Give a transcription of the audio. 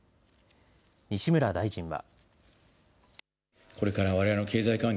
西村大臣は。